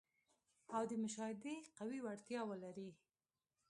او د مشاهدې قوي وړتیا ولري.